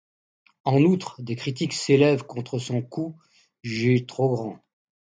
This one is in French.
En outre, des critiques s'élèvent contre son coût jugé trop grand.